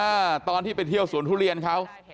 อ่าตอนที่ไปเที่ยวสวนทุเรียนเขา